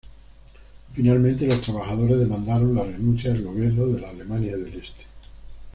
Finalmente, los trabajadores demandaron la renuncia del gobierno de la Alemania del Este.